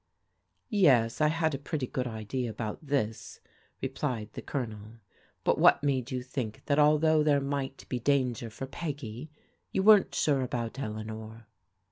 " Yes, I had a pretty good idea about this," replied the Colonel, " but what made you think that although there might be danger for Peggy, you weren't sure about Eleanor?"